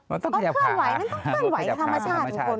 ต้องเคลื่อนไหวมันต้องเคลื่อนไหวธรรมชาติทุกคน